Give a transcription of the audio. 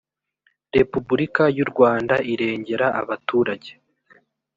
repubulika y’ u rwanda irengera abaturage.